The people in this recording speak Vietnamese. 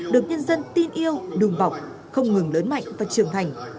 được nhân dân tin yêu đùng bọc không ngừng lớn mạnh và trường thành